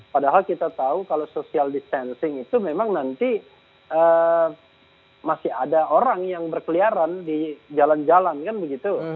padahal kita tahu kalau social distancing itu memang nanti masih ada orang yang berkeliaran di jalan jalan kan begitu